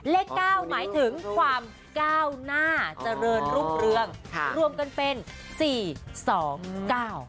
เลขเก้าหมายถึงความก้าวหน้าเจริญรุ่งเรืองค่ะรวมกันเป็นสี่สองเก้า